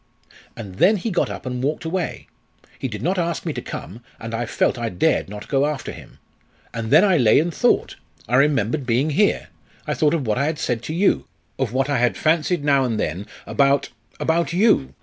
And then he got up and walked away. He did not ask me to come, and I felt I dared not go after him. And then I lay and thought. I remembered being here; I thought of what I had said to you of what I had fancied now and then about about you.